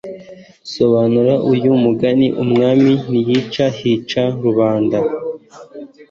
sobanura uyu mugani umwami ntiyica, hica rubanda